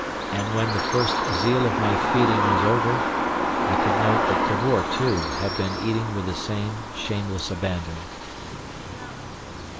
And when the first zeal of my feeding was over, I could note that Cavor, too, had been eating with the same shameless abandon.